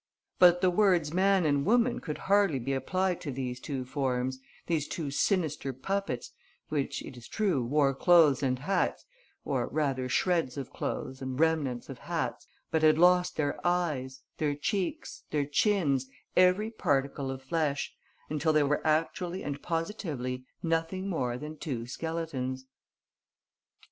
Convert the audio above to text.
But the words man and woman could hardly be applied to these two forms, these two sinister puppets, which, it is true, wore clothes and hats or rather shreds of clothes and remnants of hats but had lost their eyes, their cheeks, their chins, every particle of flesh, until they were actually and positively nothing more than two skeletons.